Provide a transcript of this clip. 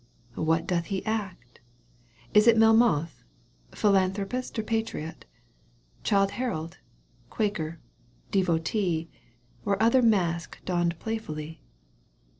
What doth he act ? Is it Melmoth, ^ Philanthropist or patriot, Childe Harold, quaker, devotee, Or other mask donned playfully